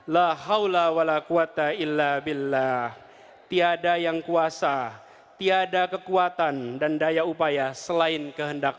lahawla walakwata illa billah tiada yang kuasa tiada kekuatan dan daya upaya selain kehendak